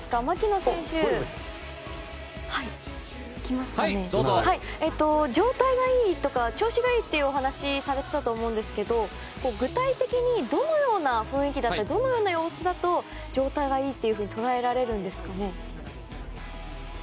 槙野選手、状態がいいとか調子がいいというお話をされていたと思うんですが具体的に、どのような雰囲気でどんな様子だと状態がいいというふうに捉えられるんですかね？